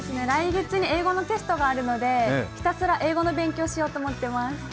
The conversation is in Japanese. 来月に英語のテストがあるのでひたすら英語の勉強をしようと思っています。